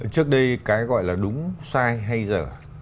trước đây cái gọi là đúng sai hay dở